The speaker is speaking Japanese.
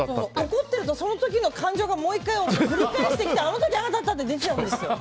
怒ってると、その時の感情がぶり返してきてあの時、ああだったって出ちゃうんですよ。